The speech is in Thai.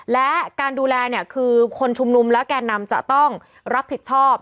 และการดูแลเนี่ยคือคนชุมนุมและแก่นำจะต้องรับผิดชอบ